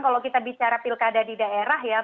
kalau kita bicara pilkada di daerah ya